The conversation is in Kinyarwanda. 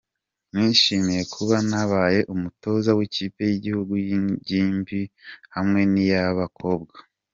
Nishimiye kuba nabaye umutoza w’kipe y’igihugu y’ingimbi hamwe n’iy’abakobwa.